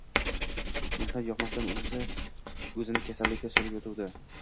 Mehnat yoqmasdan o`zini kasallikka solib yotuvdi